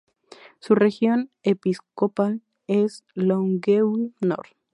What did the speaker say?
Su región episcopal es Longueuil-Nord.